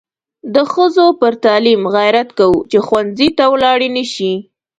د ښځو پر تعلیم غیرت کوو چې ښوونځي ته ولاړې نشي.